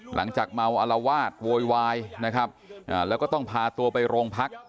หลังจากเมาอลวาดโวยวายนะครับแล้วก็ต้องพาตัวไปโรงพัก